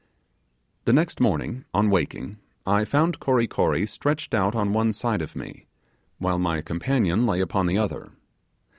The next morning, on waking, I found Kory Kory stretched out on one side of me, while my companion lay upon the other.